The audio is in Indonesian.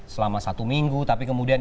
selama satu minggu tapi kemudian